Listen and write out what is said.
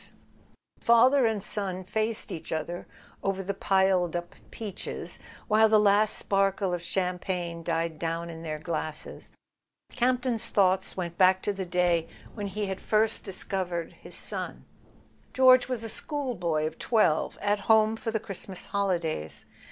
As father and son faced each other over the piled up peaches, while the last sparkle of champagne died down in their glasses, Campton's thoughts went back to the day when he had first discovered his son. George was a schoolboy of twelve, at home for the Christmas holidays.